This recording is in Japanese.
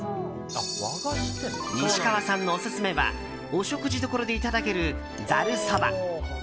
西川さんのオススメはお食事処でいただける、ざるそば。